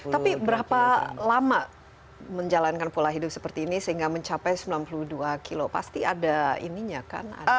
tapi berapa lama menjalankan pola hidup seperti ini sehingga mencapai sembilan puluh dua kilo pasti ada ininya kan